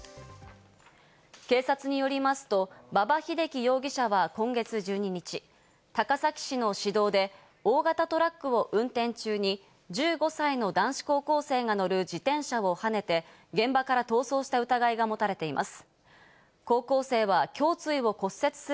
警察によりますと、馬場英樹容疑者は今月１２日、高崎市の市道で大型トラックを運転中に１５歳の男子高校生が乗る自転車をはねて、現場から逃走した疑いが持たれています。